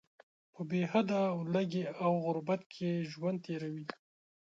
په بې حده ولږې او غربت کې ژوند تیروي.